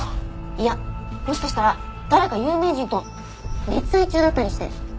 いやもしかしたら誰か有名人と熱愛中だったりして。